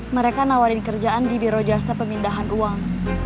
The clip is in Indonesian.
mereka nawari kerjaan di biro jasa pemindahan uang